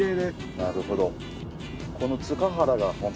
なるほど。